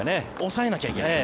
抑えなきゃいけない。